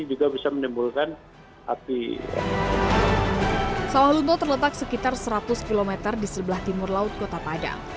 juga bisa menimbulkan api sawah lunto terletak sekitar seratus km di sebelah timur laut kota padang